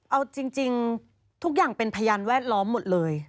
เอาจริงทุกอย่างเป็นพยานแวดล้อมหมดเลย